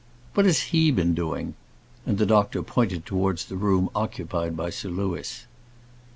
What has he been doing?" And the doctor pointed towards the room occupied by Sir Louis.